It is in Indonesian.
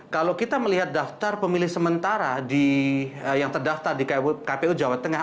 kalau kita melihat daftar pemilih sementara yang terdaftar di kpu jawa tengah